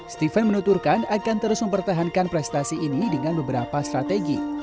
steven menuturkan akan terus mempertahankan prestasi ini dengan beberapa strategi